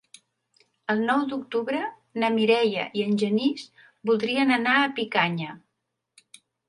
El nou d'octubre na Mireia i en Genís voldrien anar a Picanya.